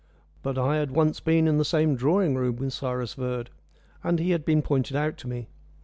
But I had once been in the same drawing room with Cyrus Verd, and he had been pointed out to me.